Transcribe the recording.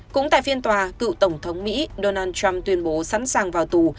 cũng tại phiên tòa cựu tổng thống mỹ donald trump tuyên bố sẵn sàng vào tù